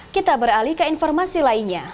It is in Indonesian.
kita beralih ke informasi lainnya